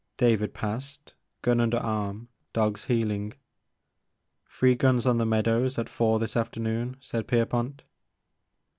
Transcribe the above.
David passed, gtm under arm, dogs heeling. "Three guns on the meadows at four this afternoon," said Pierpont.